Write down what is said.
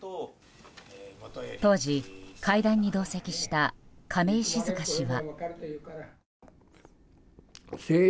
当時会談に同席した亀井静香氏は。